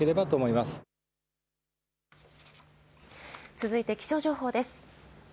続いて気象情報です。